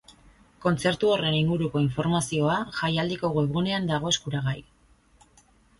Kontzertu horren inguruko informazioa jaialdiko webgunean dago eskuragai.